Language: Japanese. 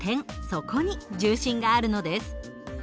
そこに重心があるのです。